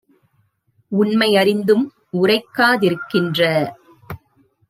உண்மை யறிந்தும் உரைக்கா திருக்கின்ற